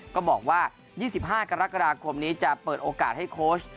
ก็บอกว่า๒๕กรกฎาคมนี้จะเปิดโอกาสให้โค้ช